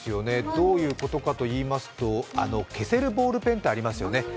どういうことかといいますと、消せるボールペンってありますよね。